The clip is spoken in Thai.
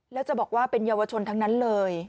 แล้วจะบอกว่าเป็นเยาวชนทั้งนั้นเลย